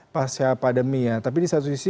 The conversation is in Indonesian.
pasca pandemi ya tapi di satu sisi